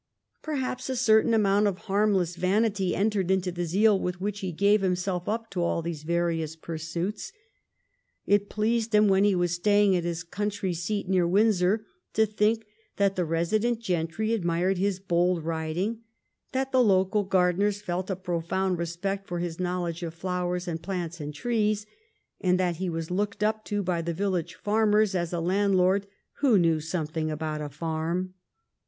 Perhaps a certain amount of harmless vanity entered into the zeal with which he gave himself up to all those various pursuits. It pleased him, when he was staying at his country seat near Windsor, to think that the resident gentry admired his bold riding, that the local gardeners felt a profound respect for his knowledge of flowers and plants and trees, and that he was looked up to by the village farmers as a landlord who knew everything about a farm.